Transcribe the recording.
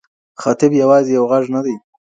خطیب یوازې یو غږ نه دی.